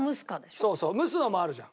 そうそう蒸すのもあるじゃん。